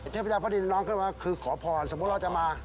เทพยาฟ้าดินน้องเข้ามาคือขอพรสมมุติเราจะมา